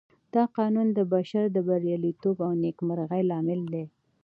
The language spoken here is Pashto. دا قانون د بشر د برياليتوب او نېکمرغۍ لامل دی.